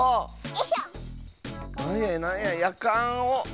なんやなんややかんを。